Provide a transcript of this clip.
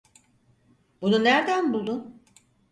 Bunu nerden buldun?